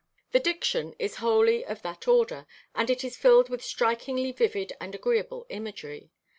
The diction is wholly of that order, and it is filled with strikingly vivid and agreeable imagery.